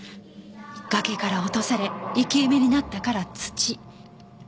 崖から落とされ生き埋めになったから土。